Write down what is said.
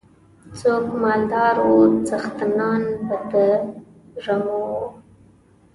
څوک مالدار وو څښتنان به د رمو وو.